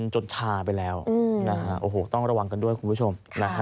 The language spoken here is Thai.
ชาไปแล้วนะฮะโอ้โหต้องระวังกันด้วยคุณผู้ชม